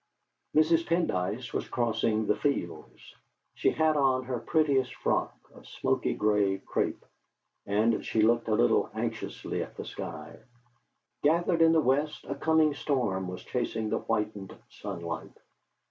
Mrs. Pendyce was crossing the fields. She had on her prettiest frock, of smoky grey crepe, and she looked a little anxiously at the sky. Gathered in the west a coming storm was chasing the whitened sunlight.